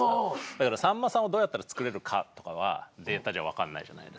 だけどさんまさんをどうやったらつくれるかとかはデータじゃ分かんないじゃないですか。